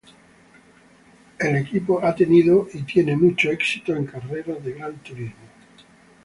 El equipo ha sido y es muy exitoso en carreras de gran turismos.